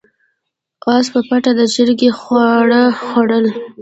اس په پټه د چرګې خواړه خوړل.